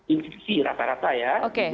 infeksi rata rata ya